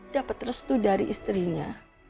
dapet restu dari istrinya